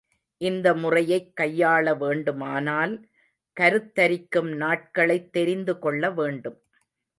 இந்த முறையைக் கையாளவேண்டுமானால் கருத்தரிக்கும் நாட்களைத் தெரிந்துகொள்ள வேண்டும்.